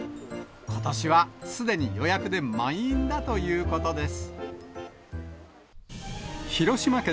ことしはすでに予約で満員だということです。